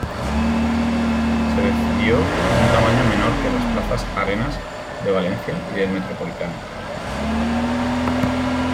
Se decidió un tamaño menor que las plazas Arenas de Valencia y del Metropolitano.